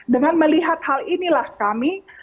dengan melihat hal inilah kami